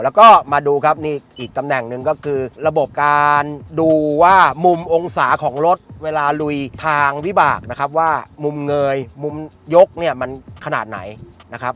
แล้วก็มาดูครับนี่อีกตำแหน่งหนึ่งก็คือระบบการดูว่ามุมองศาของรถเวลาลุยทางวิบากนะครับว่ามุมเงยมุมยกเนี่ยมันขนาดไหนนะครับ